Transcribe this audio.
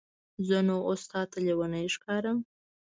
زه نو اوس تاته لیونی ښکارم؟